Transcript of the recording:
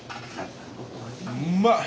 うまい！